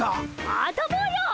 あたぼうよ。